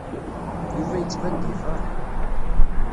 Yuba yettban-d yefṛeḥ.